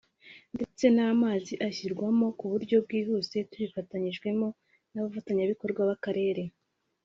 ndetse n’amazi azashyirwamo ku buryo bwihuse tubifashijwemo n’abafatanyabikorwa b’Akarere